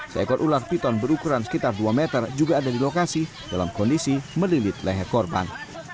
seekor ular piton berukuran sekitar dua meter juga ada di lokasi dalam kondisi melilit leher korban